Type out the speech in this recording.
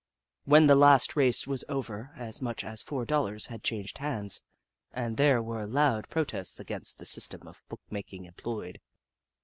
When the last race was over, as much as four dollars had changed hands, and there were loud protests against the system of book making employed.